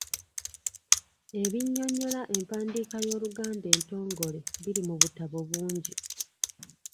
Ebinnyonnyola empandiika y'Oluganda entongole biri mu butabo bungi.